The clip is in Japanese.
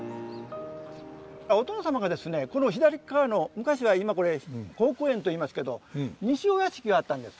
お殿様がですねこの左っかわの昔は今これ好古園と言いますけど西御屋敷があったんです。